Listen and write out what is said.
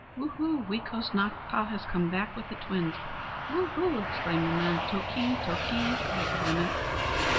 "Whoo, whoo! Weeko's Nakpa has come back with the twins! Whoo, whoo!" exclaimed the men. "Tokee! tokee!" cried the women.